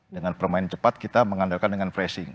dengan permainan cepat kita mengandalkan dengan pressing